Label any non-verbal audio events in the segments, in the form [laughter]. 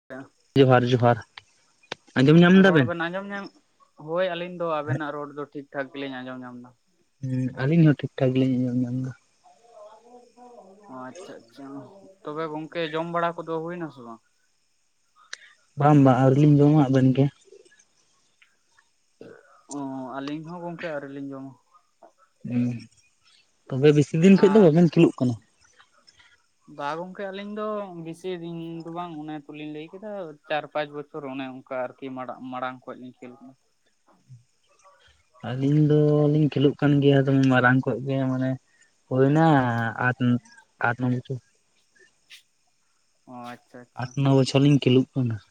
[inaudible] ᱡᱚᱸᱦᱟᱨ ᱡᱚᱸᱦᱟᱨ ᱾ ᱨᱚᱲ ᱵᱮᱱ ᱟᱸᱡᱚᱢ ᱧᱟᱢᱮᱜ-ᱟ? ᱦᱳᱭ ᱟᱹᱞᱤᱧ ᱫᱚ ᱟᱵᱮᱱᱟᱜ ᱨᱚᱲ ᱫᱚ ᱴᱷᱤᱠ ᱴᱷᱟᱠ ᱜᱮᱞᱤᱧ ᱟᱸᱡᱚᱢ ᱧᱟᱢ ᱫᱟ ᱾ ᱦᱩᱸ ᱟᱞᱤᱧ ᱦᱚᱸ ᱴᱷᱤᱠ ᱴᱷᱟᱠ ᱜᱮᱞᱤᱧ ᱟᱸᱡᱚᱢ ᱧᱟᱢ ᱫᱟ ᱾ ᱟᱪᱪᱷᱟ ᱟᱪᱪᱷᱟ ᱛᱚᱵᱮ ᱜᱚᱝᱠᱮ ᱡᱚᱢ ᱵᱟᱲᱟ ᱠᱚᱫᱚ ᱦᱩᱭᱱᱟ ᱥᱮ ᱵᱟᱝ? ᱵᱟᱝ ᱵᱟᱝ ᱟᱹᱣᱨᱤ ᱞᱤᱧ ᱡᱚᱢᱟ ᱾ ᱟᱵᱮᱱ ᱜᱮ? ᱚᱸ ᱟᱹᱞᱤᱧ ᱦᱚᱸ ᱜᱚᱝᱠᱮ ᱟᱣᱨᱤ ᱞᱤᱧ ᱡᱚᱢᱟ ᱾ ᱦᱩᱸ ᱛᱚᱵᱮ ᱵᱤᱥᱤ ᱫᱤᱱ ᱠᱷᱚᱡ ᱫᱚ ᱟᱨ ᱵᱟᱵᱮᱱ ᱠᱷᱮᱞᱩᱜ ᱠᱟᱱᱟ? ᱵᱟ ᱜᱚᱝᱠᱮ ᱟᱞᱤᱧ ᱫᱚ ᱵᱤᱥᱤ ᱫᱤᱱ ᱫᱚ ᱵᱟᱝ ᱚᱱᱮ ᱛᱩᱞᱤᱧ ᱞᱮᱹᱭ ᱠᱮᱫᱟ, ᱪᱟᱨ ᱯᱟᱸᱪ ᱵᱚᱪᱷᱚᱨ ᱚᱱᱮ ᱚᱝᱠᱟ ᱟᱨᱠᱤ ᱢᱟᱲᱟᱜ ᱢᱟᱲᱟᱝ ᱠᱷᱚᱡ ᱞᱤᱧ ᱠᱷᱮᱞ ᱠᱟᱱᱟ ᱾ ᱟᱞᱤᱧ ᱫᱚᱞᱤᱧ ᱠᱷᱮᱞᱳᱜ ᱠᱟᱱ ᱜᱮᱭᱟ ᱫᱚᱢᱮ ᱢᱟᱨᱟᱝ ᱠᱷᱚᱡ ᱜᱮ ᱢᱟᱱᱮ ᱦᱳᱭᱱᱟ ᱟᱴᱱ ᱟᱴ ᱱᱚ ᱵᱚᱪᱷᱚᱨ ᱾ ᱚᱸ ᱟᱪᱪᱷᱟ ᱾ ᱟᱴ ᱱᱚ ᱵᱚᱪᱷᱚᱨ ᱞᱤᱧ ᱠᱷᱞᱳᱜ ᱠᱟᱱᱟ ᱾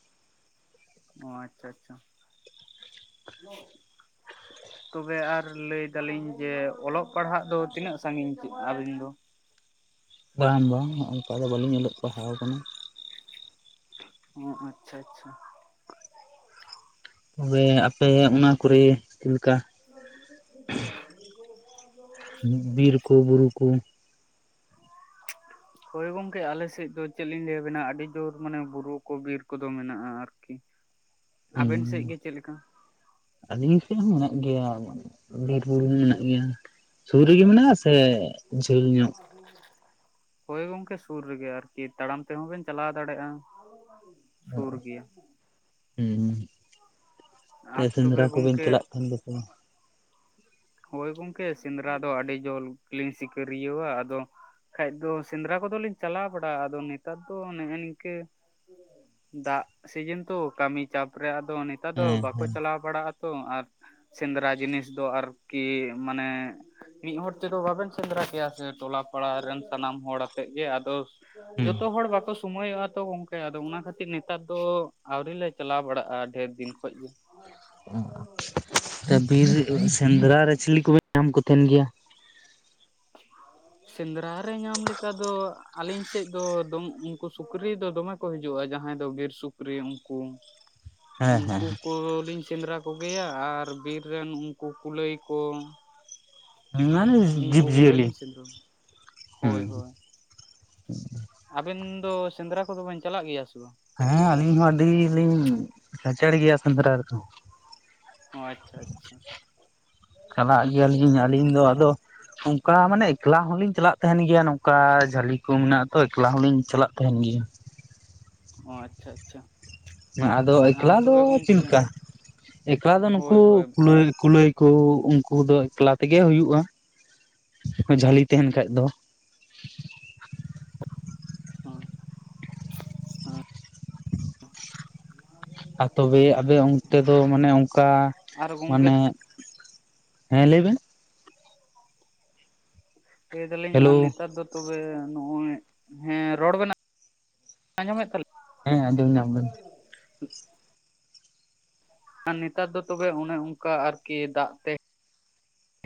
ᱚᱸ ᱟᱪᱪᱷᱟ ᱟᱪᱪᱷᱟ ᱾ ᱛᱚᱵᱮ ᱟᱨ ᱞᱟᱹᱭ ᱫᱟᱞᱤᱧ ᱡᱮ ᱚᱞᱚᱜ ᱯᱟᱲᱦᱟᱜ ᱫᱚ ᱛᱤᱱᱟᱹᱜ ᱥᱟᱸᱜᱤᱧ ᱠᱮᱜ ᱟᱵᱤᱱ ᱫᱚ? ᱵᱟᱝ ᱵᱟᱝ ᱚᱝᱠᱟ ᱫᱚ ᱵᱟᱹᱞᱤᱧ ᱚᱞᱚᱜ ᱯᱟᱲᱦᱟᱣ ᱠᱟᱱᱟ ᱾ ᱚᱸ ᱟᱪᱪᱷᱟ ᱟᱪᱪᱷᱟ ᱾ ᱛᱚᱵᱮ ᱟᱯᱮ ᱚᱱᱟ ᱠᱚᱨᱮ ᱪᱮᱞᱮᱠᱟ? [inaudible] ᱠᱩᱸ [inaudible] ᱦᱳᱭ ᱜᱚᱝᱠᱮ ᱟᱞᱮ ᱥᱮᱡ ᱫᱚ ᱪᱮᱫ ᱞᱤᱧ ᱞᱟᱹᱭ ᱟᱵᱮᱱᱟ ᱟᱰᱤ ᱡᱳᱨ ᱢᱟᱱᱮ ᱵᱩᱨᱩ ᱠᱚ ᱵᱤᱨ ᱠᱚᱫᱚ ᱢᱮᱱᱟᱜᱼᱟ, ᱟᱨᱠᱤ ᱾ ᱟᱵᱮᱱ ᱥᱮᱡ ᱜᱮ ᱪᱮᱫ ᱞᱮᱠᱟ? ᱟᱞᱤᱧ ᱥᱮᱜ ᱦᱚᱸ ᱢᱮᱱᱟᱜ ᱜᱮᱭᱟ ᱾ ᱵᱤᱨᱵᱩᱨᱩ ᱦᱚᱸ ᱢᱮᱱᱟᱜ ᱜᱮᱭᱟ ᱾ ᱥᱩᱨ ᱨᱮᱜᱮ ᱢᱮᱱᱟᱜᱼᱟ ᱥᱮ ᱡᱷᱟᱹᱞ ᱧᱚᱜ? [inaudible] ᱦᱳᱭ ᱜᱚᱝᱠᱮ ᱥᱩᱨ ᱨᱮᱜᱮ ᱟᱨᱠᱤ ᱛᱟᱲᱟᱢ ᱛᱮᱦᱚᱸ ᱵᱮᱱ ᱪᱟᱞᱟᱣ ᱫᱟᱲᱮᱜᱼᱟ, ᱥᱩᱨ ᱜᱮᱭᱟ ᱾ ᱦᱩᱸ ᱦᱩᱸ ᱛᱮ ᱟᱨ ᱛᱚᱵᱮ ᱥᱮᱸᱫᱽᱨᱟ ᱠᱚ ᱵᱤᱱ ᱜᱚᱝᱠᱮ ᱪᱟᱞᱟᱜ ᱠᱟᱱ ᱜᱮᱭᱟ ᱥᱮ ᱵᱟᱝ? ᱦᱳᱭ ᱜᱚᱝᱠᱮ ᱥᱮᱸᱫᱽᱨᱟ ᱫᱚ ᱟᱰᱤ ᱡᱳᱞ ᱜᱮᱞᱤᱧ ᱥᱤᱠᱟᱹᱨᱤᱭᱟᱹᱣᱟ, ᱟᱫᱚ ᱠᱷᱟᱡ ᱫᱚ ᱥᱮᱸᱫᱽᱨᱟ ᱠᱚᱫᱚ ᱞᱤᱧ ᱪᱟᱞᱟᱣ ᱵᱟᱰᱟᱜᱼᱟ, ᱟᱫᱚ ᱱᱮᱛᱟᱨ ᱫᱚ ᱱᱮᱜᱼᱮ ᱱᱤᱝᱠᱟᱹ ᱫᱟᱜ ᱥᱤᱡᱤᱱ ᱛᱚ ᱠᱟᱹᱢᱤ ᱪᱟᱯ ᱨᱮ ᱟᱫᱚ ᱱᱤᱛ ᱛᱟᱨ ᱫᱚ ᱦᱮᱸ ᱵᱟᱠᱚ ᱦᱮᱸ ᱪᱟᱞᱟᱣ ᱵᱟᱲᱟᱜ ᱟ ᱛᱚ ᱟᱨ ᱥᱮᱸᱫᱽᱨᱟ ᱡᱤᱱᱤᱥ ᱫᱚ ᱟᱨᱠᱤ ᱢᱟᱱᱮ ᱢᱤᱫ ᱦᱚᱲ ᱛᱮᱫᱚ ᱵᱟᱵᱮᱱ ᱥᱮᱸᱫᱽᱨᱟ ᱠᱮᱭᱟ ᱥᱮ ᱴᱚᱞᱟ ᱯᱟᱲᱟ ᱨᱮᱱ ᱥᱟᱱᱟᱢ ᱦᱚᱲ ᱟᱛᱮᱜ ᱜᱮ ᱟᱫᱚ ᱡᱚᱛᱚ ᱦᱚᱲ ᱵᱟᱠᱚ ᱥᱩ ᱥᱳᱢᱳᱭᱚᱜ-ᱟ ᱛᱚ ᱜᱚᱝᱠᱮ ᱟᱫᱚ ᱚᱱᱟ ᱠᱷᱟᱹᱛᱤᱨ ᱱᱮᱛᱟᱨ ᱫᱚ ᱟᱣᱨᱤ ᱞᱮ ᱪᱟᱞᱟᱣ ᱵᱟᱲᱟᱜᱼᱟ ᱰᱷᱮᱨ ᱫᱤᱱ ᱠᱷᱚᱱ ᱜᱮ᱾ ᱚ ᱵᱤᱨ ᱥᱮᱸᱫᱽᱨᱟ ᱨᱮ ᱪᱤᱞᱤ ᱠᱚᱯᱮ ᱧᱟᱢ ᱠᱚ ᱛᱟᱦᱮᱱ ᱜᱮᱭᱟ? [inaudible] ᱥᱮᱸᱫᱽᱨᱟ ᱨᱮ ᱧᱟᱢ ᱞᱮᱠᱟ ᱫᱚ ᱟᱹᱞᱤᱧ ᱥᱮᱫ ᱫᱚ ᱫᱚᱢ ᱩᱱᱠᱩ ᱥᱩᱠᱨᱤ ᱫᱚ ᱫᱚᱢᱮ ᱠᱚ ᱦᱤᱡᱩᱜᱼᱟ ᱡᱟᱦᱟᱸᱭ ᱫᱚ ᱵᱤᱨ ᱥᱩᱠᱨᱤ ᱩᱱᱠᱩ ᱦᱮᱸ ᱩᱱᱠᱩ ᱠᱚᱞᱤᱧ ᱥᱮᱸᱫᱽᱨᱟ ᱠᱚᱜᱮᱭᱟ, ᱟᱨ ᱵᱤᱨ ᱨᱮᱱ ᱩᱱᱠᱩ ᱠᱩᱞᱟᱹᱭ ᱠᱚ᱾ ᱤᱢᱟᱱ ᱩᱱᱠᱩ ᱡᱤᱵᱽ ᱡᱤᱭᱟᱹᱞᱤ ᱠᱚᱜᱮᱞᱤᱧ ᱥᱮᱸᱫᱽᱨᱟ ᱦᱩᱸ᱾ ᱦᱳᱭ ᱦᱳᱭ ᱟᱵᱮᱱ ᱫᱚ ᱥᱮᱸᱫᱽᱨᱟ ᱠᱚᱫᱚ ᱵᱮᱱ ᱪᱟᱞᱟᱜ ᱜᱮᱭᱟ ᱥᱮ ᱵᱟᱝ? ᱦᱮᱸ ᱟᱹᱞᱤᱧ ᱦᱚᱸ ᱟᱹᱰᱤ ᱞᱤᱧ ᱠᱷᱟᱪᱮᱲ ᱜᱮᱭᱟ ᱥᱮᱸᱫᱽᱨᱟ ᱨᱮᱫᱚ᱾ ᱚ, ᱟᱪᱪᱷᱟ, ᱟᱪᱪᱷᱟ᱾ ᱪᱟᱞᱟᱜ ᱜᱮᱭᱟ ᱞᱤᱧ ᱟᱹᱞᱤᱧ ᱫᱚ ᱟᱫᱚ ᱚᱱᱠᱟ ᱢᱟᱱᱮ ᱮᱠᱞᱟ ᱦᱚᱞᱤᱧ ᱪᱟᱞᱟᱜ ᱛᱟᱦᱮᱱ ᱜᱮᱭᱟ ᱱᱚᱝᱠᱟ ᱡᱷᱟᱹᱞᱤ ᱠᱚ ᱢᱮᱱᱟᱜ ᱟᱛᱚ ᱮᱠᱞᱟ ᱦᱚᱞᱤᱧ ᱪᱟᱞᱟᱜ ᱛᱟᱦᱮᱱ ᱜᱮᱭᱟ᱾ ᱚ, ᱟᱪᱪᱷᱟ, ᱟᱪᱪᱷᱟ᱾ ᱟᱫᱚ ᱮᱠᱞᱟ ᱟᱨ ᱫᱚ ᱛᱚᱵᱮ ᱪᱮᱫ ᱜᱚᱝᱠᱮ ᱞᱮᱠᱟ ᱮᱠᱞᱟ ᱫᱚ ᱱᱩᱠᱩ ᱦᱳᱭ ᱦᱳᱭ ᱠᱩᱞᱟᱹᱭ, ᱠᱩᱞᱟᱹᱭ᱾ ᱠᱩ ᱩᱱᱠᱩ ᱫᱚ ᱮᱠᱞᱟ ᱛᱮᱜᱮ ᱦᱩᱭᱩᱜ-ᱟ, ᱡᱷᱟᱹᱞᱤ ᱛᱟᱦᱮᱱ ᱠᱷᱟᱡ ᱫᱚ᱾ [unintelligible] ᱟᱨ ᱛᱚᱵᱮ ᱟᱵᱮ ᱚᱱᱛᱮ ᱫᱚ ᱢᱟᱱᱮ ᱚᱱᱠᱟ ᱟᱨ ᱜᱚᱝᱠᱮ ᱢᱟᱱᱮ ᱦᱮᱸ ᱞᱟᱹᱭ ᱵᱮᱱ᱾ ᱞᱟᱹᱭ ᱫᱟᱞᱤᱧ ᱦᱮᱞᱳ ᱟᱨ ᱱᱮᱛᱟᱨ ᱫᱚ ᱛᱚᱵᱮ ᱱᱚᱜᱼᱚᱭ, ᱦᱮᱸ ᱨᱚᱲ ᱵᱮᱱ ᱟᱸᱡᱚᱢᱮᱫ ᱛᱟᱞᱤᱧ ᱦᱮᱸ ᱟᱡᱚᱢ ᱧᱟᱢ ᱫᱟᱞᱤᱧ᱾ ᱟᱨ ᱱᱮᱛᱟᱨ ᱫᱚ ᱛᱚᱵᱮ ᱚᱱᱮ ᱚᱱᱠᱟ ᱟᱨᱠᱤ ᱫᱟᱜ ᱛᱮ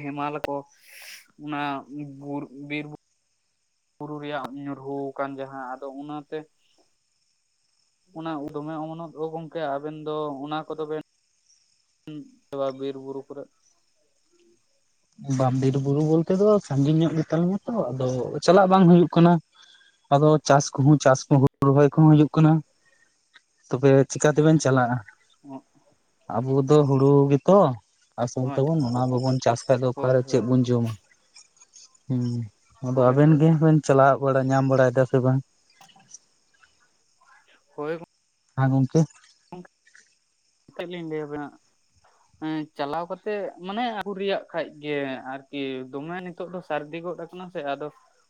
ᱦᱮᱢᱟᱞ ᱠᱚ ᱚᱱᱟ ᱵᱩᱨ ᱵᱤᱨ ᱵᱩ ᱵᱩᱨᱩ ᱨᱮᱭᱟᱜ ᱧᱩᱨᱦᱩ ᱠᱟᱱ ᱡᱟᱦᱟᱸ ᱟᱫᱚ ᱚᱱᱟᱛᱮ ᱚᱱᱟ ᱩᱫ ᱫᱚᱢᱮ ᱚᱢᱚᱱᱚᱜ ᱫᱚ ᱜᱚᱝᱠᱮ ᱟᱵᱮᱱ ᱫᱚ ᱚᱱᱟ ᱠᱚᱫᱚ ᱵᱮᱱ ᱵᱤᱨ ᱵᱩᱨᱩ ᱠᱚᱨᱮᱜ ᱵᱟᱢ ᱵᱤᱨ ᱵᱩᱨᱩ ᱵᱚᱞᱛᱮ ᱫᱚ ᱥᱟᱺᱜᱤᱧ ᱧᱚᱜ ᱜᱮᱛᱟᱞᱤᱧᱟᱹ ᱛᱚ, ᱟᱫᱚ ᱪᱟᱞᱟᱜ ᱵᱟᱝ ᱦᱩᱭᱩᱜ ᱠᱟᱱᱟ᱾ ᱟᱫᱚ ᱪᱟᱥ ᱠᱚᱦᱚᱸ ᱪᱟᱥ ᱠᱚ ᱦᱩᱲᱩ ᱨᱚᱦᱚᱭ ᱠᱚᱦᱚᱸ ᱦᱩᱭᱩᱜ ᱠᱟᱱᱟ᱾ ᱛᱚᱵᱮ ᱪᱤᱠᱟ ᱛᱮᱵᱮᱱ ᱪᱟᱞᱟᱜᱼᱟ? [unintelligible] ᱟᱵᱚ ᱫᱚ ᱦᱩᱲᱩ ᱜᱮᱛᱚ ᱟᱥᱚᱞ ᱦᱳᱭ ᱛᱟᱵᱚᱱ ᱚᱱᱟ ᱵᱟᱵᱚᱱ ᱪᱟᱥ ᱟᱫᱚ ᱦᱳᱭ ᱚᱠᱟᱨᱮ ᱪᱮᱫ ᱦᱳᱭ ᱵᱚᱱ ᱡᱚᱢᱟ᱾ ᱦᱩᱸ ᱟᱫᱚ ᱦᱳᱭ ᱟᱵᱮᱱ ᱦᱳᱭ ᱜᱮ ᱪᱟᱞᱟᱣ ᱵᱟ ᱧᱟᱢ ᱵᱟᱲᱟᱭ ᱫᱟ ᱥᱮ ᱵᱟᱝ? ᱦᱳᱭ ᱜᱚ ᱦᱟ ᱜᱚᱝᱠᱮ᱾ [inaudible] ᱛᱮᱫ ᱞᱤᱧ ᱞᱟᱹᱭᱟ ᱵᱮᱱᱟ ᱮ ᱪᱟᱞᱟᱣ ᱠᱟᱛᱮᱜ ᱢᱟᱱᱮ ᱟᱹᱜᱩ ᱨᱮᱭᱟᱜ ᱠᱷᱟᱡ ᱜᱮ ᱟᱨᱠᱤ ᱫᱚᱢᱮ ᱱᱤᱛ ᱛᱚᱜ ᱫᱚ ᱥᱟᱹᱨᱫᱤ ᱜᱚᱫ ᱟᱠᱟᱱᱟ ᱥᱮ ᱟᱫᱚ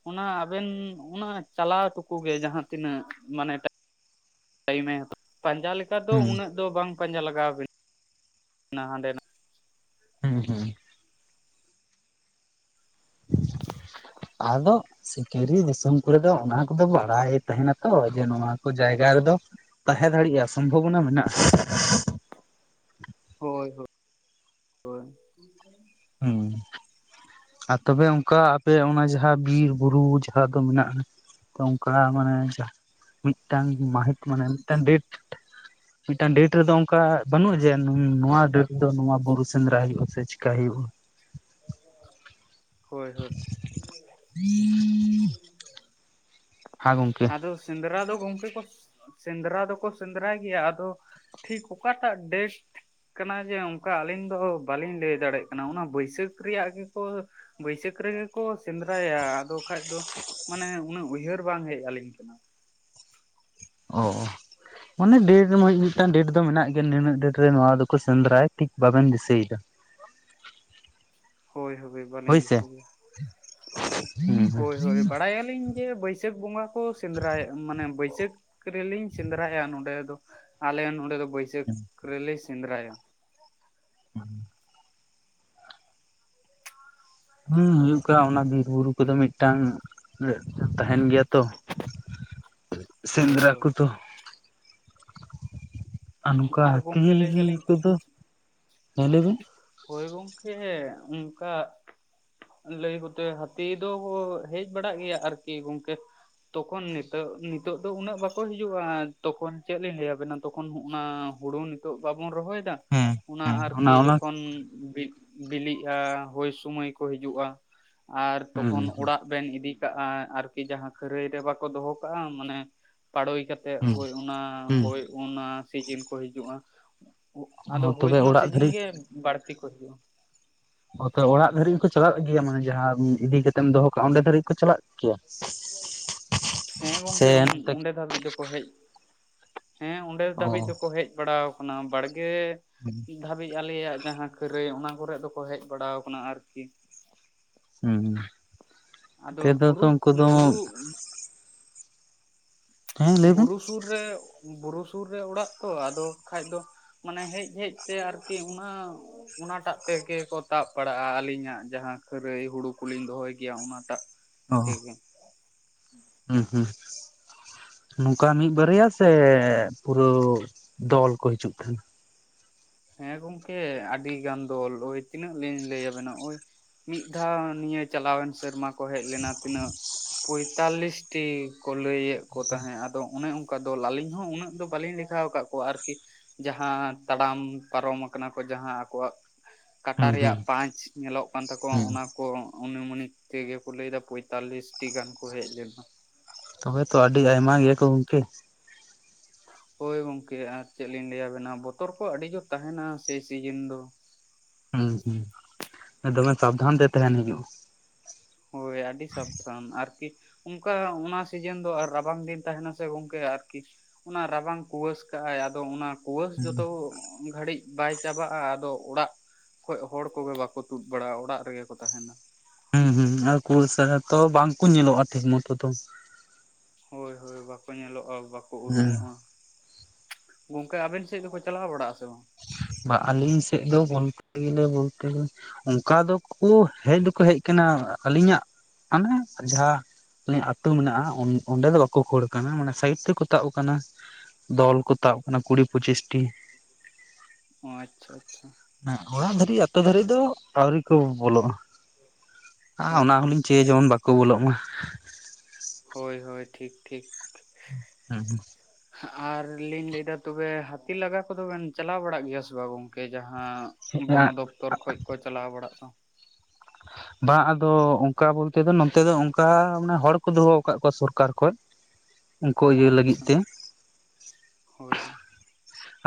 ᱚᱱᱟ ᱟᱵᱮᱱ ᱚᱱᱟ ᱪᱟᱞᱟᱣ ᱴᱩᱠᱩ ᱜᱮ ᱡᱟᱦᱟᱸ ᱛᱤᱱᱟᱹᱜ ᱢᱟᱱᱮ ᱴᱟᱭ ᱴᱟᱭᱤᱢ ᱮ ᱦᱟᱛ ᱯᱟᱸᱡᱟ ᱞᱮᱠᱟ ᱫᱚ ᱦᱩᱸ ᱩᱱᱟᱹᱜ ᱫᱚ ᱵᱟᱝ ᱯᱟᱸᱡᱟ ᱞᱟᱜᱟᱣ ᱵᱤᱱ ᱚᱱᱟ ᱦᱟᱸᱰᱮ ᱱᱟ ᱦᱩᱸ, ᱦᱩᱸ᱾ [inaudible] ᱟᱫᱚ, ᱥᱤᱠᱟᱹᱨᱤ ᱫᱤᱥᱚᱢ ᱠᱚᱨᱮ ᱫᱚ, ᱚᱱᱟ ᱠᱚᱫᱚ ᱵᱟᱲᱟᱭ ᱛᱟᱦᱮᱱᱟ ᱛᱚ, ᱡᱮ ᱱᱚᱣᱟ ᱠᱚ ᱡᱟᱭᱜᱟ ᱨᱮᱫᱚ᱾ ᱛᱟᱦᱮᱸ ᱫᱟᱲᱮᱭᱟᱜᱼᱟ, ᱥᱚᱢᱵᱷᱚᱵᱚᱱᱟ ᱢᱮᱱᱟᱜᱼᱟ᱾ ᱦᱳᱭ, ᱦᱳᱭ ᱦᱳᱭ᱾ [inaudible] [unintelligible] ᱦᱩᱸ ᱟᱨ ᱛᱚᱵᱮ ᱚᱝᱠᱟ, ᱟᱯᱮ ᱚᱱᱟ ᱡᱟᱦᱟᱸ ᱵᱤᱨ ᱵᱩᱨᱩ ᱫᱟ‌ᱜ ᱫᱚ ᱢᱮᱱᱟᱜᱼᱟ, ᱛᱚ ᱚᱝᱠᱟ ᱢᱟᱱᱮ ᱡᱟ ᱢᱤᱫᱴᱟᱝ ᱢᱟᱦᱤᱛ, ᱢᱟᱱᱮ ᱢᱤᱫᱴᱟᱝ ᱰᱮᱴ᱾ [inaudible] [inaudible] ᱢᱤᱫᱴᱟᱝ ᱰᱮᱴ ᱨᱮᱫᱚ ᱚᱝᱠᱟ ᱵᱟᱹᱱᱩᱜᱼᱟ, ᱡᱮ ᱱᱚᱣᱟ ᱰᱮᱴ ᱫᱚ ᱱᱚᱣᱟ ᱵᱩᱨᱩ ᱥᱮᱸᱫᱽᱨᱟ ᱦᱳᱭᱩᱜᱼᱟ, ᱥᱮ ᱪᱮᱠᱟ ᱦᱳᱭᱩᱜᱼᱟ᱾ ᱦᱳᱭ, ᱦᱳᱭ᱾ [inaudible] [inaudible] [inaudible] [inaudible] ᱟᱫᱚ ᱥᱮᱸᱫᱨᱟᱽ ᱫᱚ, ᱜᱝᱠᱮ ᱠᱚ ᱥᱮᱸᱫᱽᱨᱟ ᱫᱚᱠᱚ ᱥᱮᱸᱫᱽᱨᱟᱭ ᱜᱮᱭᱟ, ᱟᱫᱚ ᱴᱷᱤᱠ ᱚᱠᱟᱴᱟᱜ ᱰᱮᱴ ᱠᱟᱱᱟ ᱡᱮ ᱚᱝᱠᱟ ᱟᱹᱞᱤᱧ ᱫᱚ, ᱵᱟᱹᱞᱤᱧ ᱞᱟᱹᱭ ᱫᱟᱲᱮᱜ ᱠᱟᱱᱟ, ᱚᱱᱟ ᱵᱟᱹᱭᱥᱟᱹᱠᱷ ᱨᱮᱭᱟᱜ ᱜᱮᱠᱚ ᱵᱟᱹᱭᱥᱟᱹᱠᱷ ᱨᱮᱜᱮ ᱠᱚ ᱥᱮᱸᱫᱽᱨᱟᱭᱟ, ᱟᱫᱚ ᱠᱷᱟᱡ ᱫᱚ ᱩᱱᱟᱹᱜ ᱩᱭᱦᱟᱹᱨ ᱵᱟᱝ ᱦᱮᱡ ᱟᱹᱞᱤᱧ ᱠᱟᱱᱟ᱾ ᱚ, ᱢᱟᱱᱮ ᱰᱮᱴ ᱢᱤᱫᱴᱟᱝ ᱰᱮᱴ ᱫᱚ, ᱢᱮᱱᱟᱜ ᱜᱮᱭᱟ ᱱᱤᱱᱟᱹᱜ ᱰᱮᱴ ᱨᱮ ᱱᱚᱣᱟ ᱫᱚᱠᱚ ᱥᱮᱱᱫᱽᱨᱟᱭ, ᱴᱷᱤᱠ ᱵᱟᱵᱮᱱ ᱫᱤᱥᱟᱹᱭ ᱫᱟ᱾ ᱦᱳᱭ, ᱦᱳᱭ ᱵᱟᱞᱤᱧ ᱦᱳᱭᱥᱮ ᱫᱤᱥᱭᱟ᱾ ᱦᱩᱸ ᱦᱩᱸ ᱦᱳᱭ, ᱦᱳᱭ ᱵᱟᱲᱟᱭᱟᱞᱤᱧ ᱡᱮ ᱵᱟᱹᱭ ᱥᱟᱹᱠᱷ ᱵᱚᱸᱜᱟ ᱠᱚ ᱥᱮᱸᱫᱽᱨᱟᱭᱟ, ᱢᱟᱱᱮ ᱵᱟᱹᱭᱥᱟᱹᱠᱷ ᱨᱮᱞᱤᱧ ᱥᱮᱸᱫᱽᱨᱟᱭᱟ ᱱᱚᱸᱰᱮ ᱫᱚ᱾ ᱟᱞᱮ ᱱᱚᱰᱮ ᱫᱚ, ᱵᱟᱹᱭᱥᱟᱹᱠᱷ ᱨᱮᱞᱮ ᱥᱮᱫᱽᱨᱟᱭᱟ᱾ ᱩᱸ [unintelligible] ᱦᱩᱸ, ᱦᱩᱭᱩᱜ ᱠᱟ ᱚᱱᱟ ᱵᱤᱨ ᱵᱩᱨᱩ ᱠᱚᱫᱚ, ᱢᱤᱫᱴᱟᱝ ᱛᱟᱦᱮᱱ ᱜᱮᱭᱟ ᱛᱚ᱾ ᱦᱳᱭ ᱥᱮᱸᱫᱽᱨᱟ ᱦᱳᱭ ᱠᱚᱫᱚ᱾ ᱟᱨ ᱱᱚᱝᱠᱟ ᱦᱟᱹᱛᱤ ᱜᱚᱝᱠᱮ ᱞᱟᱹᱭ ᱞᱤ ᱫᱟᱞᱤᱧ ᱠᱚᱫᱚ, ᱦᱮ ᱞᱮᱭᱵᱤᱱ? ᱦᱳᱭ ᱜᱚᱝᱠᱮ ᱚᱝᱠᱟ᱾ ᱞᱟᱹᱭ ᱠᱚᱛᱮ ᱦᱟᱹᱛᱤ ᱫᱚ, ᱦᱮᱡ ᱵᱟᱲᱟᱜ ᱜᱮᱭᱟ ᱟᱨᱠᱤ ᱜᱚᱝᱠᱮ᱾ ᱛᱚᱠᱷᱚᱱ ᱱᱤᱛᱚᱜ ᱱᱤᱛᱚᱜ ᱫᱚ, ᱩᱱᱟᱹᱜ ᱵᱟᱠᱚ ᱦᱤᱡᱩᱜᱼᱟ ᱛᱚᱠᱷᱚᱱ ᱪᱮᱫ ᱞᱤᱧ ᱞᱟᱹᱭ ᱟᱵᱮᱱᱟ, ᱛᱚᱠᱷᱚᱱ ᱦᱩᱸ ᱚᱱᱟ ᱦᱳᱲᱩ ᱱᱤᱛᱚᱜ ᱵᱟᱵᱩᱱ ᱨᱚᱦᱚᱭᱫᱟ, ᱦᱮᱸ ᱚᱱᱟ ᱦᱮᱸ ᱟᱨᱠᱤ ᱚᱱᱟ ᱡᱚᱠᱷᱚᱱ ᱵᱤ ᱵᱤᱞᱤᱜᱼᱟ ᱦᱳᱭ ᱥᱩᱢᱟᱹᱭ ᱠᱚ ᱦᱤᱡᱩᱜᱼᱟ, ᱟᱨ ᱦᱩᱸ ᱛᱚᱠᱷᱚᱱ ᱚᱲᱟᱜ ᱵᱮᱱ ᱤᱫᱤ ᱠᱟᱜᱼᱟ ᱟᱨᱠᱤ ᱡᱟᱦᱟᱸ, ᱠᱷᱟᱹᱨᱟᱹᱭ ᱨᱮ ᱵᱟᱠᱚ ᱫᱚᱦᱚ ᱠᱟᱜᱼᱟ, ᱢᱟᱱᱮ ᱯᱟᱲᱳᱭ ᱠᱟᱛ ᱛᱮᱜ ᱦᱩᱸ ᱦᱳᱭ ᱚᱱᱟ ᱦᱳᱭ ᱚᱱᱟ, ᱥᱤᱡᱤᱱ ᱠᱚ ᱦᱤᱡᱩᱜᱼᱟ᱾ ᱟᱫᱚ ᱦᱩᱸ ᱦᱳᱭ ᱛᱚᱵᱮ ᱚᱱᱟ ᱚᱲᱟᱜ ᱥᱤᱡᱤᱱ ᱫᱷᱟᱹᱨᱤᱡ ᱜᱮ, ᱵᱟᱹᱲᱛᱤ ᱠᱚ ᱦᱤᱡᱩᱜᱼᱟ᱾ ᱚᱛᱮ ᱚᱲᱟᱜ ᱫᱷᱟᱹᱨᱤᱡ ᱦᱚᱸᱠᱚ ᱪᱟᱞᱟᱜ ᱜᱮᱭᱟ, ᱢᱟᱱᱮ ᱡᱟᱦᱟᱸᱢ ᱤᱫᱤ ᱠᱟᱛᱮᱢ ᱫᱚᱦᱚ ᱠᱟᱜᱼᱟ, ᱚᱸᱰᱮ ᱫᱷᱟᱹᱨᱤᱡ ᱠᱚ ᱪᱟᱞᱟᱜᱼᱼ ᱠᱭᱟ ᱦᱮᱸ ᱥᱮ ᱜᱚᱝᱠᱮ ᱦᱛᱮ ᱚᱸᱰᱮ ᱫᱷᱟᱹᱵᱤᱡ ᱫᱚᱠᱚ ᱦᱮᱡ, ᱦᱮᱸ ᱚᱸᱰᱮ ᱚ ᱫᱷᱟᱹᱵᱤᱡ ᱫᱚᱠᱚ ᱦᱮᱡ ᱵᱟᱲᱟ ᱠᱟᱱᱟ, ᱵᱟᱲᱜᱮ [inaudible] [inaudible] ᱫᱷᱟᱹᱵᱤᱡ ᱟᱞᱮᱭᱟᱜ ᱡᱟᱦᱟᱸ ᱠᱷᱟ. ᱨᱟ. ᱭ, ᱚᱱᱟ ᱠᱚᱨᱮᱜ ᱫᱚᱠᱚ ᱦᱮᱡ ᱵᱟᱲᱟ ᱠᱟᱱᱟ ᱟᱨᱠᱤ᱾ ᱦᱩᱸ, ᱟᱫᱚ ᱛᱮᱫᱚ ᱛᱚ ᱵᱩᱨᱩ ᱩᱱᱠᱩ ᱫᱚ᱾ ᱵᱩᱨᱩ ᱦᱮᱸ ᱞᱟᱹᱭ ᱵᱤᱱ ᱵᱩᱨᱩ ᱥᱩᱨ ᱨᱮ ᱵᱩᱨᱩ ᱥᱩᱨ ᱨᱮ ᱚᱲᱟᱜ ᱛᱚ, ᱟᱫᱚ ᱠᱷᱟᱡ ᱫᱚ ᱢᱟᱱᱮ ᱦᱮᱡ ᱦᱮᱡ ᱛᱮ ᱟᱨᱠᱤ ᱚᱱᱟ ᱚᱱᱟᱴᱟᱜ ᱛᱮᱜᱮ ᱠᱚ ᱛᱟᱵ ᱯᱟᱲᱟᱜᱼᱟ ᱟᱹᱞᱤᱧᱟᱜ ᱡᱟᱦᱟᱸ ᱠᱷᱟᱹᱨᱟᱹᱭ ᱦᱩᱲᱩ ᱠᱚᱞᱤᱧ ᱫᱚᱦᱚᱭ ᱜᱮᱭᱟ ᱚᱱᱟᱴᱟᱜᱼᱼ ᱚ ᱛᱮᱜᱮ᱾ ᱦᱩᱸ ᱦᱩᱸ ᱱᱚᱝᱠᱟ ᱢᱤᱫ ᱵᱟᱨᱭᱟ ᱥᱮ ᱯᱩᱨᱟᱹ ᱫᱚᱞ ᱠᱚ ᱦᱤᱡᱩᱜ ᱛᱟᱦᱮᱸᱱᱟ? ᱦᱮᱸ ᱜᱚᱝᱠᱮ ᱟᱹᱰᱤ ᱜᱟᱱ ᱫᱚᱞ ᱳᱭ ᱛᱤᱱᱟᱹᱜ ᱞᱤᱧ ᱞᱟᱹᱭᱟᱵᱮᱱᱟ ᱳᱭ ᱢᱤᱫ ᱫᱷᱟᱣ ᱱᱤᱭᱟᱹ ᱪᱟᱞᱟᱣᱮᱱ ᱥᱮᱨᱢᱟ ᱠᱚ ᱦᱮᱡ ᱞᱮᱱᱟ ᱛᱤᱱᱟᱹᱜ ᱯᱚᱭᱛᱟᱞᱞᱤᱥ ᱴᱤ ᱠᱚ ᱞᱟᱹᱭᱮᱫ ᱠᱚ ᱛᱟᱦᱮᱸᱫ ᱟᱫᱚ ᱚᱱᱮ ᱚᱝᱠᱟ ᱫᱚ ᱟᱹᱞᱤᱧ ᱦᱚᱸ ᱩᱱᱟᱹᱜ ᱫᱚ ᱵᱟᱹᱞᱤᱧ ᱞᱮᱼᱼ ᱠᱷᱟᱣ ᱠᱟᱫ ᱠᱚᱣᱟ ᱟᱨᱠᱤ ᱡᱟᱦᱟᱸ ᱛᱟᱲᱟᱢ ᱯᱟᱨᱚᱢ ᱟᱠᱟᱱᱟ ᱠᱚ ᱡᱟᱦᱟᱸ ᱟᱠᱚᱣᱟᱜ ᱦᱩᱸ ᱨᱮᱭᱟᱜ ᱦᱩᱸ ᱯᱟᱸᱪ ᱠᱟᱱ ᱛᱟᱠᱚᱣᱟ ᱦᱩᱸ ᱚᱱᱟ ᱠᱚ ᱚᱱᱢᱟᱱᱤᱠ ᱛᱮᱜᱮ ᱠᱚ ᱞᱟᱹᱭ ᱟᱫᱟ ᱯᱚᱸᱭᱛᱟᱞᱤᱥ ᱴᱤ ᱜᱟᱱ ᱠᱚ ᱦᱮᱡ ᱞᱮᱱᱟ ᱾ ᱛᱚᱵᱮ ᱛᱚ ᱟᱹᱰᱤ ᱟᱭᱢᱟ ᱜᱮᱭᱟ ᱠᱚ ᱜᱚᱝᱠᱮ ᱾ ᱦᱳᱭ ᱜᱚᱝᱠᱮ ᱟᱨ ᱪᱮᱫ ᱞᱤᱧ ᱞᱟᱹᱭᱟᱵᱮᱱᱟ ᱵᱚᱛᱚᱨ ᱠᱚ ᱟᱹᱰᱤ ᱡᱳᱨ ᱛᱟᱦᱮᱱᱟ ᱥᱮᱭ ᱥᱤᱡᱤᱱ ᱫᱚ ᱾ ᱦᱩᱸ ᱦᱩᱸ, ᱫᱚᱢᱮ ᱥᱟᱵᱫᱷᱟᱱ ᱛᱮ ᱛᱟᱦᱮᱱ ᱦᱩᱭᱩᱜᱼᱟ ᱾ ᱦᱳᱭ, ᱟᱹᱰᱤ ᱥᱟᱵᱫᱷᱟᱱ ᱟᱨᱠᱤ ᱚᱱᱠᱟ ᱚᱱᱟ ᱥᱤᱡᱮᱱ ᱫᱚ ᱟᱨ ᱨᱟᱵᱟᱝ ᱫᱤᱱ ᱛᱟᱦᱮᱱᱟ ᱥᱮ ᱜᱚᱝᱠᱮ ᱟᱨᱠᱤ ᱚᱱᱟ ᱨᱟᱵᱟᱝ ᱠᱩᱣᱟᱹᱥ ᱠᱟᱜᱼ ᱟᱭ ᱟᱫᱚ ᱚᱱᱟ ᱠᱩᱣᱟᱹᱥ ᱦᱩᱸ ᱡᱚᱛᱚ ᱜᱷᱟᱹᱲᱤᱡ ᱵᱟᱭ ᱪᱟᱵᱟᱜᱼᱟ ᱾ ᱟᱫᱚ ᱚᱲᱟᱜ ᱠᱷᱚᱡ ᱦᱚᱲ ᱠᱚᱜᱮ ᱵᱟᱠᱚ ᱛᱩᱫ ᱵᱟᱲᱟᱜᱼᱟ ᱚᱲᱟᱜ ᱨᱮᱜᱮ ᱠᱚ ᱛᱟᱦᱮᱱᱟ ᱾ ᱦᱩᱸ ᱦᱩᱸ, ᱟᱨ ᱠᱞᱥ ᱛᱚ ᱵᱟᱝᱠᱚ ᱧᱮᱞᱚᱜᱼᱟ ᱴᱷᱤᱠ ᱢᱚᱛᱚ ᱛᱚ ᱾ ᱦᱳᱭ ᱦᱳᱭ, ᱵᱟᱠᱚ ᱧᱮᱞᱚᱜᱼᱟ ᱵᱟᱠᱚ ᱦᱮᱸ ᱩᱨᱩᱢᱚᱜᱼᱟ ᱾ ᱜᱚᱝᱠᱮ, ᱟᱵᱮᱱ ᱥᱮᱫ ᱫᱚᱠᱚ ᱪᱟᱞᱟᱣ ᱵᱟᱲᱟᱜ ᱟ ᱥᱮ ᱵᱟᱝ? ᱵᱟ ᱟᱹᱞᱤᱧ ᱥᱮᱫ ᱫᱚ ᱵᱚᱞᱛᱮ ᱜᱮᱞᱮ ᱵᱚᱞᱛᱮ ᱚᱱᱠᱟ ᱫᱚᱠᱚ ᱦᱮᱡ ᱫᱚᱠᱚ ᱦᱮᱡ ᱟᱠᱟᱱᱟ, ᱟᱹᱞᱤᱧᱟᱜ ᱟᱱᱮ ᱡᱟᱦᱟᱸ ᱟᱞᱮ ᱟᱹᱛᱩ ᱢᱮᱱᱟᱜᱼᱟ ᱚᱸᱰᱮ ᱫᱚ ᱵᱟᱠᱚ ᱠᱷᱚᱲ ᱟᱠᱟᱱᱟ ᱢᱟᱱᱮ ᱥᱟᱭᱤᱰ ᱛᱮᱠᱚ ᱛᱟᱵ ᱟᱠᱟᱱᱟ ᱾ ᱫᱚᱞ ᱠᱚ ᱛᱟᱵ ᱟᱠᱟᱱᱟ ᱠᱩᱲᱤ ᱯᱚᱪᱤᱥᱴᱤ ᱾ ᱚ, ᱟᱪᱪᱷᱟ ᱟᱪᱪᱷᱟ ᱾ ᱦᱮᱸ, ᱚᱲᱟᱜ ᱫᱷᱟᱹᱨᱤᱡ ᱟᱛᱳ ᱫᱷᱟᱹᱨᱤᱡ ᱫᱚ ᱟᱹᱣᱨᱤ ᱠᱚ ᱵᱚᱞᱚᱜᱼᱟ ᱟᱨ ᱦᱳᱭ ᱚᱱᱟ ᱦᱳᱭ ᱦᱚᱞᱤᱧ ᱪᱟᱹᱭᱟ ᱡᱮᱢᱚᱱ ᱵᱟᱠᱚ ᱵᱚᱞᱚᱜ ᱢᱟ ᱾ ᱦᱳᱭ ᱦᱳᱭ, ᱴᱷᱤᱠ ᱴᱷᱤᱠ ᱾ ᱦᱩᱸ ᱦᱩᱸ ᱦᱩᱸ ᱾ ᱟᱨ ᱞᱤᱧ ᱞᱟᱹᱭ ᱮᱫᱟ ᱛᱚᱵᱮ ᱦᱟᱹᱛᱤ ᱞᱟᱜᱟ ᱠᱚᱫᱚ ᱵᱮᱱ ᱪᱟᱞᱟᱣ ᱵᱟᱲᱟᱜ ᱜᱮᱭᱟ ᱥᱮ ᱵᱟᱝ? ᱜᱚᱝᱠᱮ ᱡᱟᱦᱟᱸ ᱵᱚᱱᱚᱫᱯᱛᱚᱨ ᱠᱷᱚᱡ ᱠᱚ ᱪᱟᱞᱟᱣ ᱵᱟᱲᱟᱜᱼᱟ ᱾ ᱵᱟᱝ ᱟᱫᱚ ᱚᱱᱠᱟ ᱵᱚᱞᱛᱮ ᱫᱚ ᱱᱚᱛᱮ ᱫᱚ ᱚᱱᱠᱟ ᱢᱟᱱᱮ ᱦᱚᱲ ᱠᱚ ᱫᱚᱦᱚ ᱟᱠᱟᱫ ᱠᱚᱣᱟ ᱥᱚᱨᱠᱟᱨ ᱠᱷᱚᱡ ᱾ ᱚ ᱟᱪᱪᱷᱟ, ᱦᱳᱭ ᱦᱳᱭ ᱾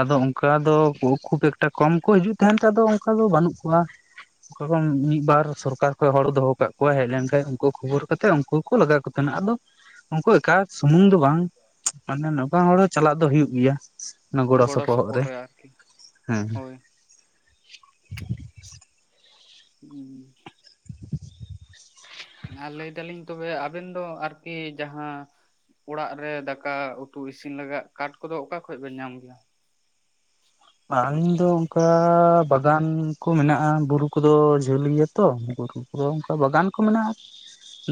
ᱟᱫᱚ ᱚᱱᱠᱟ ᱫᱚ ᱠᱷᱩᱵ ᱮᱠᱴᱟ ᱠᱚᱢ ᱠᱚ ᱦᱤᱡᱩᱜ ᱛᱟᱦᱮᱱ ᱛᱮ ᱟᱫᱚ ᱚᱱᱠᱟ ᱫᱚ ᱵᱟᱹᱱᱩᱜ ᱠᱚᱣᱟ ᱾ ᱚᱠᱟ ᱢᱤᱫ ᱵᱟᱨ ᱥᱚᱨᱠᱟᱨ ᱠᱷᱚᱡ ᱦᱚᱲ ᱫᱚᱦᱚ ᱠᱟᱜ ᱠᱚᱣᱟ ᱦᱮᱡ ᱞᱮᱱ ᱠᱷᱟᱡ ᱩᱱᱠᱩ ᱠᱷᱚᱵᱚᱨ ᱠᱟᱛᱮ ᱩᱱᱠᱩ ᱠᱚ ᱞᱟᱜᱟ ᱠᱟᱱᱟ ᱟᱫᱚ ᱩᱱᱠᱩ ᱮᱠᱟ ᱥᱩᱢᱩᱝ ᱫᱚ ᱵᱟᱝ, ᱢᱟᱱᱮ ᱱᱚᱝᱠᱟᱱ ᱦᱚᱲ ᱦᱚᱸ ᱪᱟᱞᱟᱜ ᱫᱚ ᱦᱩᱭᱩᱜ ᱜᱮᱭᱟ ᱾ ᱚᱱᱟ ᱜᱚᱲᱚ ᱥᱚᱯᱚᱦᱚᱫ ᱨᱮ ᱦᱮᱸ᱾ ᱦᱳᱭ [unintelligible] ᱟᱨ ᱞᱟᱹᱭ ᱫᱟᱹᱞᱤᱧ ᱛᱚᱵᱮ ᱟᱵᱮᱱ ᱫᱚ ᱟᱨᱠᱤ ᱡᱟᱦᱟᱸ ᱚᱲᱟᱜ ᱨᱮ ᱫᱟᱠᱟ ᱩᱛᱩ ᱤᱥᱤᱱ ᱞᱟᱜᱟᱫ, ᱠᱟᱴ ᱠᱚᱫᱚ ᱚᱠᱟ ᱠᱷᱚᱱ ᱵᱮᱱ ᱧᱟᱢ ᱜᱮᱭᱟ? ᱟᱹᱞᱤᱧ ᱫᱚ ᱚᱱᱠᱟ ᱵᱟᱜᱟᱱ ᱠᱚ ᱢᱮᱱᱟᱜᱼᱟ, ᱵᱩᱨᱩ ᱠᱚᱫᱚ ᱡᱷᱟᱹᱞ ᱜᱮᱭᱟ ᱛᱚ ᱾ ᱯᱩᱨᱟᱹ ᱚᱱᱠᱟ ᱵᱟᱜᱟᱱ ᱠᱚ ᱢᱮᱱᱟᱜᱼᱟ,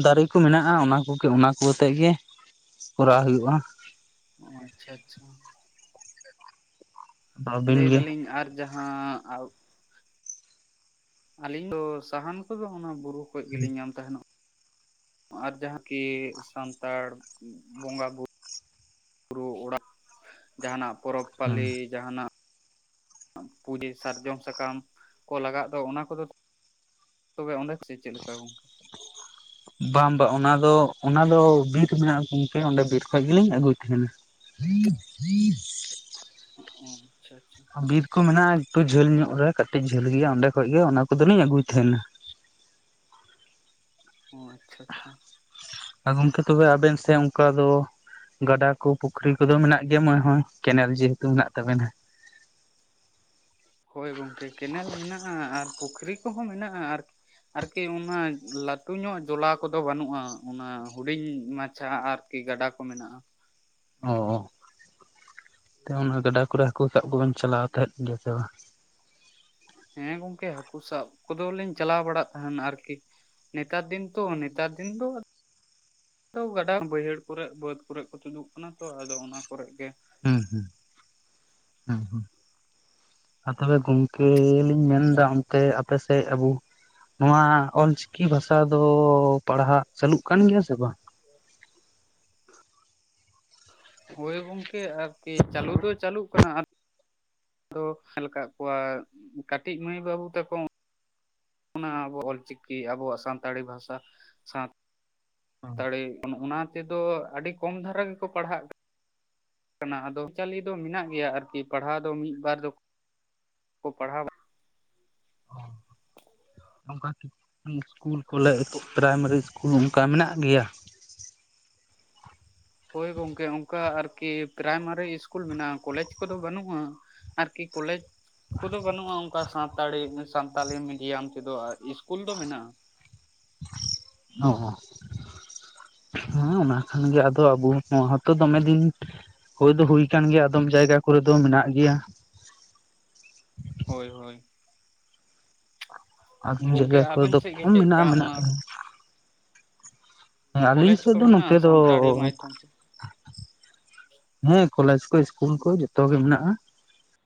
ᱫᱟᱨᱮ ᱠᱚ ᱢᱮᱱᱟᱜᱼᱟ, ᱚᱱᱟ ᱠᱚᱜᱮ ᱚᱱᱟ ᱠᱚ ᱟᱛᱮᱫ ᱜᱮ ᱾ ᱠᱚᱨᱟᱣ ᱦᱩᱭᱩᱜᱼᱟ ᱾ ᱚ, ᱟᱪᱪᱷᱟ ᱟᱪᱪᱷᱟ ᱾ ᱟᱫᱚ ᱟᱹᱵᱤᱱ ᱞᱟᱹᱭ ᱜᱮ ᱫᱟᱞᱤᱧ ᱟᱨ ᱡᱟᱦᱟᱸ ᱟᱹᱞᱤᱧ ᱫᱚ ᱥᱟᱦᱟᱱ ᱠᱚ ᱫᱚ ᱚᱱᱟ ᱵᱩᱨᱩ ᱠᱷᱚᱡ ᱜᱤᱞᱤᱧ ᱧᱟᱢ ᱛᱟᱦᱮᱱᱚᱜ ᱾ ᱟᱨ ᱡᱟᱦᱟᱸᱠᱤ ᱥᱟᱱᱛᱟᱲ ᱵᱚᱸᱜᱟ ᱵᱩ ᱵᱩᱨᱩ ᱚᱲᱟᱜ ᱡᱟᱦᱟᱸᱱᱟᱜ, ᱯᱚᱨᱚᱵᱽ ᱯᱟᱹᱞᱮ ᱡᱟᱦᱟᱸᱱᱟᱜ ᱯᱩᱡᱟᱹ ᱥᱟᱨᱡᱚᱢ ᱥᱟᱠᱟᱢ ᱠᱚ ᱞᱟᱜᱟᱜ ᱫᱚ, ᱚᱱᱟ ᱠᱚ ᱫᱚ ᱛᱚᱵᱮ ᱚᱱᱵᱮ ᱪᱮᱫ ᱞᱮᱠᱟ ᱜᱚᱢᱠᱮ? ᱵᱟᱝ ᱵᱟᱝ ᱚᱱᱟ ᱫᱚ ᱚᱱᱟ ᱫᱚ ᱵᱤᱸᱴ ᱢᱮᱱᱟᱜᱼᱟ, ᱚᱸᱰᱮ ᱵᱤᱨ ᱠᱷᱚᱡ ᱜᱤᱞᱤᱧ ᱟᱹᱜᱩᱭ ᱛᱟᱦᱮᱱᱟ ᱾ [unintelligible] ᱟᱪᱪᱷᱟ ᱟᱪᱪᱷᱟ, ᱵᱤᱨ ᱠᱚ ᱢᱮᱱᱟᱜᱼᱟ ᱠᱟᱹᱡ ᱡᱷᱟᱹᱞ ᱧᱚᱜ ᱨᱮ ᱠᱟᱹᱴᱤᱡ ᱡᱷᱟᱹᱞ ᱜᱮᱭᱟ ᱚᱸᱰᱮ ᱠᱷᱚᱡ ᱜᱮ ᱚᱱᱟ ᱠᱚᱫᱚ ᱞᱤᱧ ᱟᱹᱜᱩᱭ ᱛᱟᱦᱮᱱᱟ ᱾ ᱚ ᱟᱪᱪᱷᱟ ᱟᱪᱪᱷᱟ, ᱟᱨ ᱜᱚᱢᱠᱮ ᱛᱚᱵᱮ ᱟᱵᱮᱱ ᱥᱮᱫ ᱚᱝᱠᱟ ᱫᱚ, ᱜᱟᱰᱟ ᱠᱚ ᱯᱩᱠᱷᱨᱤ ᱠᱚ ᱫᱚ ᱢᱮᱱᱟᱜ ᱜᱮᱭᱟ ᱢᱚᱱᱮ ᱦᱚᱭ ᱦᱚᱸᱚᱭ ᱠᱮᱱᱮᱞ ᱡᱮᱦᱮᱛᱩ ᱢᱮᱱᱟᱜ ᱛᱟᱵᱮᱱᱟ ᱾ ᱦᱳᱭ ᱜᱚᱢᱠᱮ ᱠᱮᱱᱮᱞ ᱢᱮᱱᱟᱜᱼᱟ ᱟᱨ ᱯᱩᱠᱷᱨᱤ ᱠᱚ ᱦᱚᱸ ᱢᱮᱱᱟᱜᱼᱟ ᱟᱨᱠᱤ ᱟᱨᱠᱤ ᱚᱱᱟ ᱞᱟᱹᱴᱩ ᱧᱚᱜ ᱡᱚᱞᱟ ᱠᱚ ᱫᱚ ᱵᱟᱹᱱᱩᱜᱼᱟ ᱚᱱᱟ ᱦᱩᱰᱤᱧ ᱢᱟᱪᱷᱟ ᱟᱨ ᱠᱤ ᱜᱟᱰᱟ ᱠᱚ ᱢᱮᱱᱟᱜᱼᱟ, ᱚ ᱚᱱᱟ ᱜᱟᱰᱟ ᱠᱚᱨᱮ ᱦᱟᱹᱠᱳ ᱥᱟᱵ ᱠᱚᱵᱮᱱ ᱪᱟᱞᱟᱣ ᱛᱟᱦᱮᱸᱫ ᱜᱮᱭᱟ ᱥᱮ ᱵᱟᱝ? ᱦᱮᱸ, ᱜᱚᱢᱠᱮ ᱦᱟᱹᱠᱩ ᱥᱟᱵ ᱠᱚᱫᱚ ᱞᱤᱧ ᱪᱟᱞᱟ ᱵᱟᱲᱟ ᱛᱟᱦᱮᱱ ᱟᱨᱠᱤ ᱾ ᱱᱮᱛᱟᱨ ᱫᱤᱱ ᱛᱚ, ᱱᱮᱛᱟᱨ ᱫᱤᱱ ᱫᱚ ᱛᱚ ᱜᱟᱰᱟ ᱵᱟᱹᱭᱦᱟᱹᱲ ᱠᱚᱨᱮ ᱵᱟᱹᱫᱽ ᱠᱚᱨᱮ ᱠᱚ ᱛᱩᱫᱩᱜ ᱠᱟᱱᱟ ᱛᱚ ᱟᱫᱚ ᱚᱱᱟ ᱠᱚᱨᱮᱜ ᱜᱮ, ᱦᱮᱸ ᱦᱩᱸ, ᱦᱩᱸ ᱦᱩᱸ ᱟᱨ ᱛᱚᱵᱮ ᱜᱚᱢᱠᱮ ᱞᱤᱧ ᱢᱮᱱ ᱮᱫᱟ ᱚᱱᱛᱮ ᱟᱯᱮ ᱥᱮᱫ ᱟᱜᱩ, ᱱᱚᱣᱟ ᱚᱞ ᱪᱤᱠᱤ ᱵᱷᱟᱥᱟ ᱫᱚ ᱯᱟᱲᱦᱟᱣᱜ ᱪᱟᱹᱞᱩᱜ ᱠᱟᱱ ᱜᱮᱭᱟ ᱥᱮ ᱵᱟᱝ? ᱦᱳᱭ ᱜᱚᱢᱠᱮ ᱟᱨᱠᱤ ᱪᱟᱹᱞᱩ ᱫᱚ ᱪᱟᱹᱞᱩᱜ ᱠᱟᱱᱟ ᱛᱚ ᱧᱮᱞ ᱟᱠᱟᱫ ᱠᱚᱣᱟ ᱠᱟᱹᱴᱤᱡ ᱢᱟᱹᱭ ᱵᱟᱹᱵᱩ ᱛᱟ ᱠᱚ, ᱚᱱᱟ ᱟᱵᱚ ᱚᱞ ᱪᱤᱠᱤ ᱟᱵᱚᱣᱟᱜ ᱥᱟᱱᱛᱟᱲᱤ ᱵᱷᱟᱥᱟ ᱥᱟᱶ ᱛᱟᱲᱤ ᱚᱱᱟ ᱛᱮ ᱫᱚ ᱟᱹᱰᱤ ᱠᱚᱢ ᱫᱷᱟᱨᱟ ᱜᱮ ᱠᱚ ᱯᱟᱲᱦᱟᱜ ᱠᱟᱱᱟ ᱟᱫᱚ ᱟᱹᱨᱤᱪᱟᱹᱞᱤ ᱫᱚ ᱢᱮᱱᱟᱜ ᱜᱮᱭᱟ ᱟᱨᱠᱤ ᱯᱟᱲᱦᱟᱣ ᱫᱚ ᱢᱤᱫ ᱵᱟᱨ ᱫᱚ ᱠᱚ ᱯᱟᱲᱦᱟᱣᱟ, [unintelligible] ᱚᱝᱠᱟ ᱠᱤᱪᱷ ᱤᱥᱠᱩᱞ ᱠᱚᱞᱮᱡᱽ ᱯᱮᱨᱟᱭᱢᱟᱨᱤ ᱤᱥᱠᱩᱞ ᱚᱱᱠᱟ ᱢᱮᱱᱟᱜ ᱜᱮᱭᱟ? ᱦᱳᱭ ᱜᱚᱢᱠᱮ, ᱚᱝᱠᱟ ᱟᱨᱠᱤ ᱯᱮᱨᱟᱭᱢᱟᱨᱤ ᱤᱥᱠᱩᱞ ᱢᱮᱱᱟᱜᱼᱟ, ᱠᱚᱞᱮᱡ ᱠᱚᱫᱚ ᱵᱟᱹᱱᱩᱜᱼᱟ ᱾ ᱟᱨ ᱠᱤ ᱠᱚᱞᱮᱡᱽ, ᱠᱚ ᱫᱚ ᱵᱟᱹᱱᱩᱜᱼᱟ ᱚᱝᱠᱟ ᱥᱟᱱᱛᱟᱲᱤ ᱢᱮᱥᱟ ᱥᱟᱱᱛᱟᱞᱤ ᱢᱤᱰᱤᱭᱟᱢ ᱛᱮ ᱫᱚ ᱤᱥᱠᱩᱞ ᱫᱚ ᱢᱮᱱᱟᱜᱼᱟ ᱾ ᱚᱻ ᱦᱮᱸ, ᱚᱱᱟ ᱠᱷᱟᱱ ᱜᱮ ᱟᱫᱚ ᱟᱵᱚ ᱱᱚᱣᱟ ᱛᱚ ᱫᱚᱢᱮ ᱫᱤᱱ ᱦᱳᱭ ᱫᱚ ᱦᱳᱭ ᱠᱟᱱᱟ ᱜᱮᱭᱟ ᱟᱫᱚᱢ ᱡᱟᱭᱜᱟ ᱠᱚᱨᱮ ᱫᱚ ᱢᱮᱱᱟ ᱜᱮᱭᱟ ᱾ ᱦᱳᱭ ᱦᱳᱭ, ᱟᱫᱚᱢ ᱜᱚᱝᱠᱮ ᱡᱟᱭᱜᱟ ᱠᱚᱨᱮ ᱟᱵᱮᱱ ᱫᱚ ᱥᱮᱫ ᱜᱮ ᱠᱚᱢ ᱪᱮᱫᱠᱟ ᱢᱮᱱᱟᱜᱼᱟ, ᱢᱮᱱᱟᱜ ᱚᱱᱟ ᱠᱟᱜ-ᱟ ᱾ ᱟᱹᱞᱤᱧ ᱠᱚᱞᱮᱡᱽ ᱥᱮᱫ ᱠᱚ ᱫᱚ ᱢᱮᱱᱟᱜᱼᱟ ᱱᱚᱛᱮ ᱫᱚ, ᱥᱟᱱᱛᱟᱲᱤ ᱢᱟᱫᱽᱫᱷᱚᱢ ᱛᱮ ᱦᱮᱸ, ᱠᱚᱞᱮᱡᱽ ᱠᱚ ᱤᱥᱠᱩᱞ ᱠᱚ ᱡᱚᱛᱚ ᱜᱮ ᱢᱮᱱᱟᱜᱼᱟ ᱾